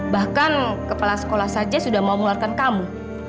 bahkan kepala sekolah saja sudah memulakan kamu